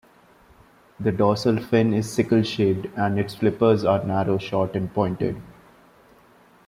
The dorsal fin is sickle-shaped and its flippers are narrow, short, and pointed.